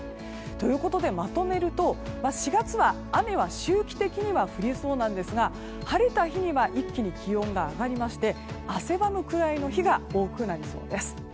ということで、まとめると４月は雨は周期的には降りそうなんですが晴れた日は一気に気温が上がりまして汗ばむくらいの日が多くなりそうです。